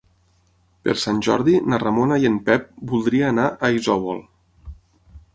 Per Sant Jordi na Ramona i en Pep voldria anar a Isòvol.